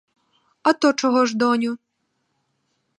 А то чого ж, доню?